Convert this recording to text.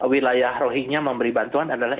wilayah rohingya memberi bantuan adalah